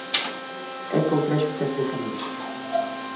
É complexo tecnicamente.